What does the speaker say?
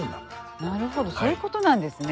なるほどそういうことなんですね。